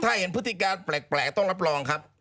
ถ้าเห็นพฤติการแปลกต้องรับรองครับ